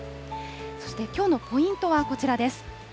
そして、きょうのポイントはこちらです。